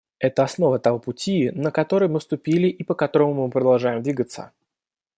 Это основа того пути, на который мы вступили и по которому мы продолжаем двигаться.